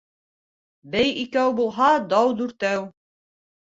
Бей икәү булһа, дау дүртәү.